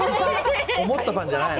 思った感じじゃない。